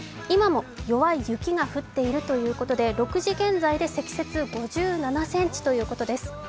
今も弱い雪が降っているということで６時現在で積雪５７ｃｍということです